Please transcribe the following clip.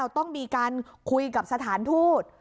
ต้องมีการคุยกับสถานทูต